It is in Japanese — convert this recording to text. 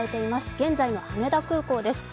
現在の羽田空港です。